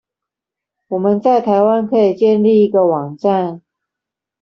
我們在台灣可以建立一個網站